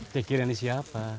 teh kirani siapa